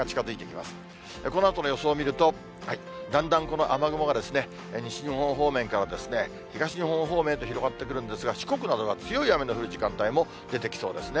だんだんこの雨雲が西日本方面から東日本方面へと広がってくるんですが、四国などは強い雨の降る時間帯も出てきそうですね。